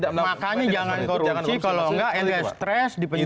makanya jangan korupsi kalau tidak stress di penjara